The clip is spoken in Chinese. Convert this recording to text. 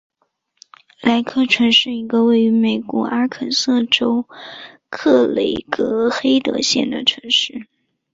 莱克城是一个位于美国阿肯色州克雷格黑德县的城市。